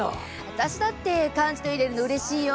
私だってカンチといれるのうれしいよ！